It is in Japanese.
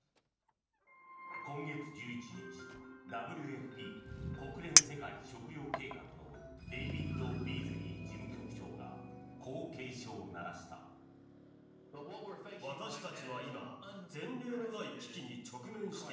今月１１日ＷＦＰ・国連世界食糧計画のデイビッド・ビーズリー事務局長がこう警鐘を鳴らした。